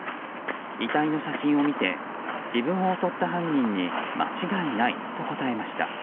遺体の写真を見て自分を襲った犯人に間違いないと答えました。